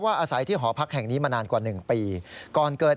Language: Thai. แล้วก็ลุกลามไปยังตัวผู้ตายจนถูกไฟคลอกนะครับ